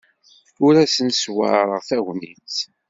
Ur asen-ssewɛaṛeɣ tagnit.